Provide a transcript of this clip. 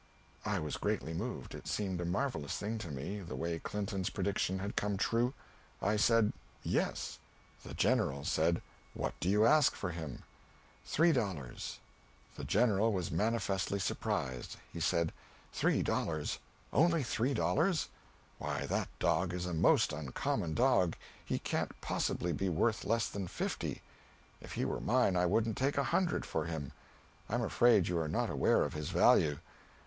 I was greatly moved; it seemed a marvellous thing to me, the way Clinton's prediction had come true. I said, "Yes." The General said, "What do you ask for him?" "Three dollars." The General was manifestly surprised. He said, "Three dollars? Only three dollars? Why, that dog is a most uncommon dog; he can't possibly be worth leas than fifty. If he were mine, I wouldn't take a hundred for him. I'm afraid you are not aware of his value.